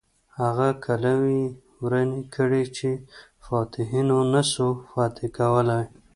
هغه کلاوې یې ورانې کړې چې فاتحینو نه سوای فتح کولای.